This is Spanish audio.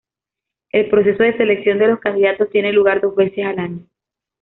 El proceso de selección de los candidatos tiene lugar dos veces al año.